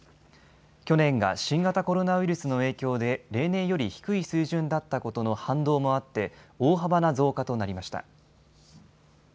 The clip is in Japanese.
去年が新型コロナウイルスの影響で例年より低い水準だったことの反動もあって大幅な増加となりました。